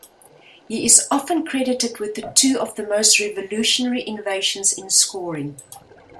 He is often credited with two of the most revolutionary innovations in scoring.